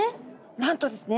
なんとですね